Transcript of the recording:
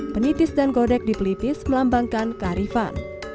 penitis dan godek dipelipis melambangkan kearifan